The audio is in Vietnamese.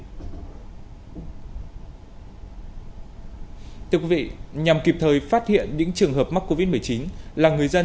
tiếp tục nhằm kịp thời phát hiện những trường hợp mắc covid một mươi chín